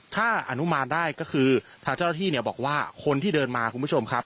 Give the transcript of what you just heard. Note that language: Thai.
ถ้าอนุมานได้ก็คือทางเจ้าหน้าที่เนี่ยบอกว่าคนที่เดินมาคุณผู้ชมครับ